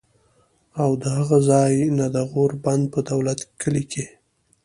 او د هغه ځائے نه د غور بند پۀ دولت کلي کښې